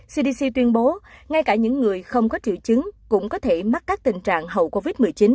cdc tuyên bố ngay cả những người không có triệu chứng cũng có thể mắc các tình trạng hậu covid một mươi chín